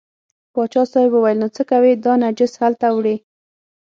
پاچا صاحب وویل نو څه کوې دا نجس هلته وړې.